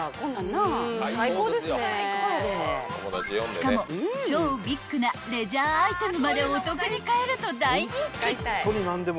［しかも超ビッグなレジャーアイテムまでお得に買えると大人気］